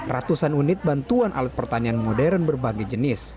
ratusan unit bantuan alat pertanian modern berbagai jenis